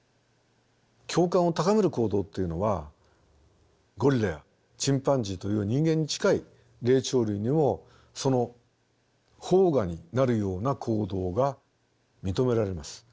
共感を高める行動っていうのはゴリラやチンパンジーという人間に近い霊長類にもそのほう芽になるような行動が認められます。